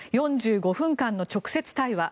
４５分間の直接対話。